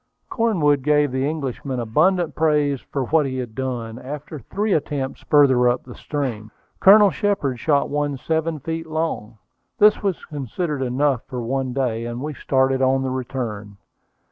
Cornwood gave the Englishman abundant praise for what he had done. After three attempts farther up the stream, Colonel Shepard shot one seven feet long. This was considered enough for one day, and we started on the return.